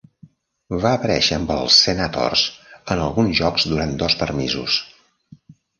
Va aparèixer amb els Senators en alguns jocs durant dos permisos.